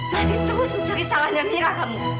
masih terus mencari salahnya mira kamu